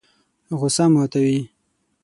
غوسه ماتوي.